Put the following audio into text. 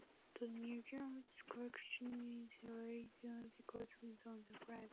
The museum's collection is rare because most of the aircraft are flyable.